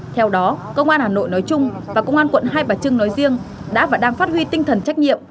theo đó công an hà nội nói chung và công an quận hai bà trưng nói riêng đã và đang phát huy tinh thần trách nhiệm